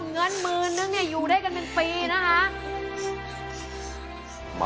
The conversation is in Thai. เงินหมื่นนึงอยู่ด้วยกันเป็นปีนะคะ